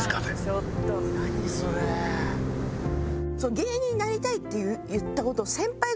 芸人になりたいって言った事を。